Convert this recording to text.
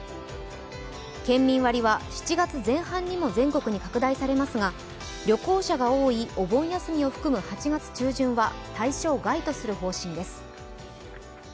県民割は７月前半にも全国に拡大されますが旅行者が多いお盆休みを含む８月中旬は対象外とする方針です。